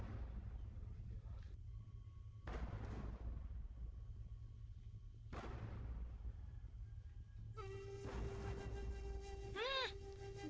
ayo cepat kerjakan